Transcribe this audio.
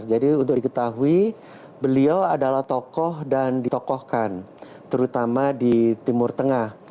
jadi untuk diketahui beliau adalah tokoh dan ditokohkan terutama di timur tengah